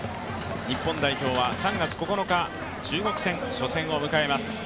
日本代表は３月９日、中国戦初戦を迎えます。